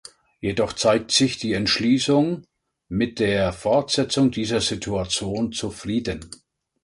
Jedoch zeigt sich die Entschließung mit der Fortsetzung dieser Situation zufrieden.